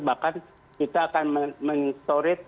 bahkan kita akan men storage